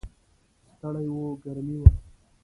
ستړي و، ګرمي وه.